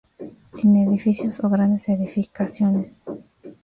Sin edificios o grandes edificaciones.